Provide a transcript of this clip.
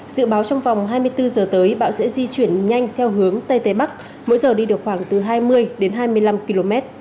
dự báo trong vòng hai mươi bốn giờ tới bão sẽ di chuyển nhanh theo hướng tây tây bắc mỗi giờ đi được khoảng từ hai mươi đến hai mươi năm km